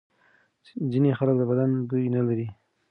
ځینې خلک د بدن بوی نه لري.